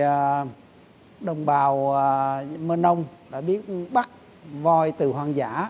từ xa xưa người đồng bào mưa nông đã biết bắt voi từ hoang dã